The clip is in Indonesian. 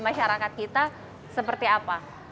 masyarakat kita seperti apa